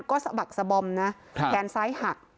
ก็สะบักสะบอมนะแขนซ้ายหัก